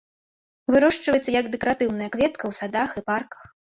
Вырошчваецца як дэкаратыўная кветка ў садах і парках.